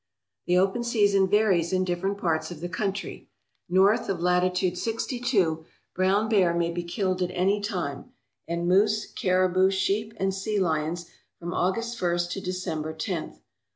The open season varies in different parts of the country. North of latitude sixty two brown bear may be killed at any time, and moose, caribou, sheep, and sea lions from August ist to December loth.